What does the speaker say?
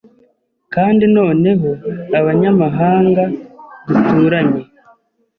kandi noneho abanyamahanga duturanye